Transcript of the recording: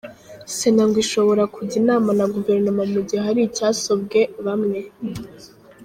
Sena ngo ishobora kujya inama na Guverinoma mu gihe hari icyasobwe bamwe.